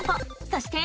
そして。